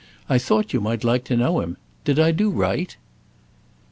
I thought you might like to know him. Did I do right?"